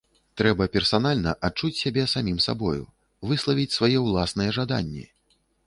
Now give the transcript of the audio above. Трэба персанальна адчуць сябе самім сабою, выславіць свае ўласныя жаданні!